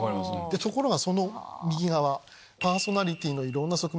ところがその右側パーソナリティーのいろんな側面。